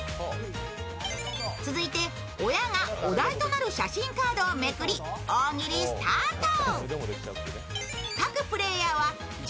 続いて親がお題となる写真カードをめくり大喜利スタート。